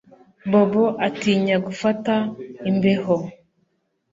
Bobo atinya gufata imbeho